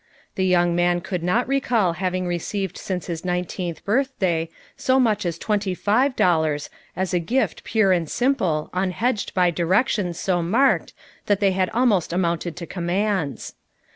The young man could not recall having received since his nineteenth birthday so much as twenty five dollars, as a gift pure and simple unhedged by directions so marked that they almost amounted to commands.